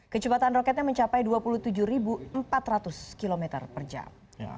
kecepatan roketnya mencapai dua puluh tujuh empat ratus km per jam